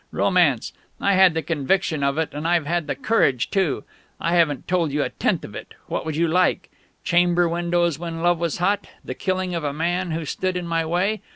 Romance! I had the conviction of it, and I've had the courage too! I haven't told you a tenth of it! What would you like? Chamber windows when Love was hot? The killing of a man who stood in my way?